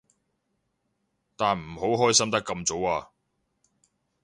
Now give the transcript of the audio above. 但唔好開心得咁早啊